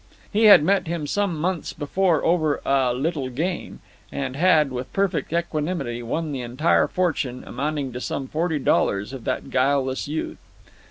He had met him some months before over a "little game," and had, with perfect equanimity, won the entire fortune amounting to some forty dollars of that guileless youth.